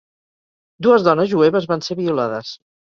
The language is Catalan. Dues dones jueves van ser violades.